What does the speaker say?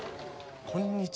こんにちは。